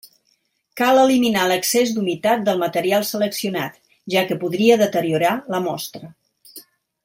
Cal eliminar l'excés d'humitat del material seleccionat, ja que podria deteriorar la mostra.